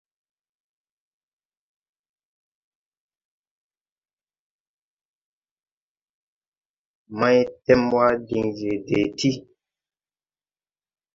Maytemwa diŋ je dee ti.